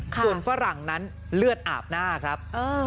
ส่วนฝรั่งนั้นเลือดอาบหน้าครับ